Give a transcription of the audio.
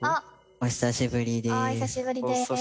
お久しぶりです。